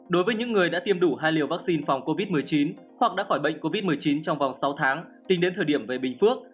đối với những người đã tiêm đủ hai liều vaccine phòng covid một mươi chín hoặc đã khỏi bệnh covid một mươi chín trong vòng sáu tháng tính đến thời điểm về bình phước